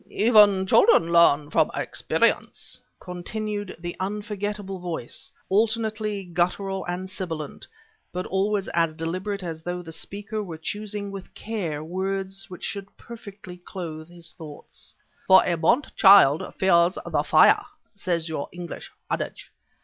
"Even children learn from experience," continued the unforgettable voice, alternately guttural and sibilant, but always as deliberate as though the speaker were choosing with care words which should perfectly clothe his thoughts. "For 'a burnt child fears the fire,' says your English adage.